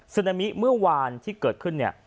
นามิเมื่อวานที่เกิดขึ้นเนี่ย